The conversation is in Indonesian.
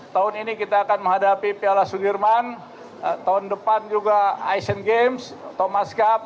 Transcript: tahun ini kita akan menghadapi piala sudirman tahun depan juga asian games thomas cup